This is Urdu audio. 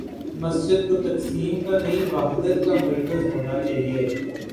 مسجد کو تقسیم کا نہیں، وحدت کا مرکز ہو نا چاہیے۔